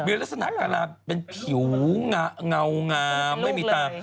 มีลักษณะกะลาเป็นผิวเงางามไม่มีตา